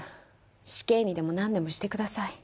死刑にでもなんでもしてください。